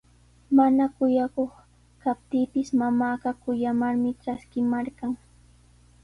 Mana kuyakuq kaptiipis mamaaqa kuyamarmi traskimarqan.